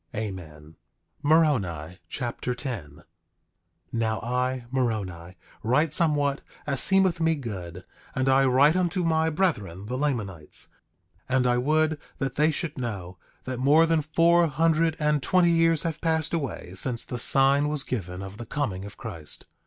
Amen. Moroni Chapter 10 10:1 Now I, Moroni, write somewhat as seemeth me good; and I write unto my brethren, the Lamanites; and I would that they should know that more than four hundred and twenty years have passed away since the sign was given of the coming of Christ.